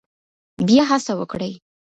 بیا هڅه وکړئ.